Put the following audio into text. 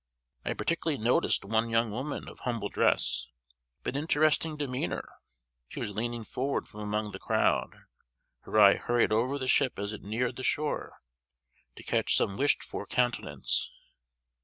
I particularly noticed one young woman of humble dress, but interesting demeanor. She was leaning forward from among the crowd; her eye hurried over the ship as it neared the shore, to catch some wished for countenance.